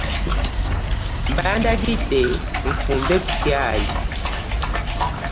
Bandagidde nfumbe ku chaayi .